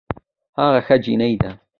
هغه ښه جينۍ ده